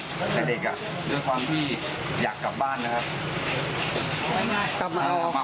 ที่เมื่อกี้เลยกลับช่วยทาง